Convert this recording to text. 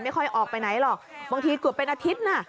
ไม่ค่อยออกไปไหนหรอกบางทีเกือบเป็นอาทิตย์น่ะ